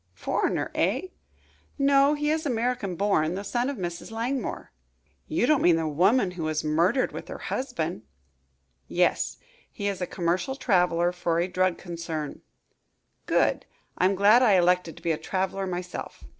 "Foreigner, eh?" "No, he is American born the son of Mrs. Langmore." "You don't mean the woman who was murdered with her husband?" "Yes. He is a commercial traveler for a drug concern." "Good! I'm glad I elected to be a traveler myself."